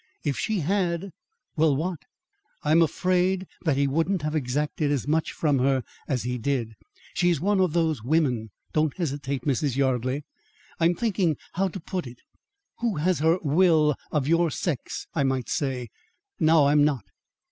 If she had " "Well, what?" "I'm afraid that he wouldn't have exacted as much from her as he did. She's one of those women " "Don't hesitate, Mrs. Yardley." "I'm thinking how to put it. Who has her will of your sex, I might say. Now I'm not."